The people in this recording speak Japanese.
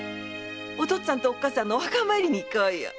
お父っつぁんとおっかさんのお墓参りに行こうよ。